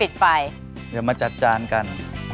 เดี๋ยวมาจัดจานกัน